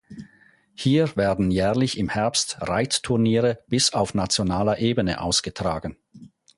Hier werden jährlich im Herbst Reitturniere bis auf nationaler Ebene ausgetragen.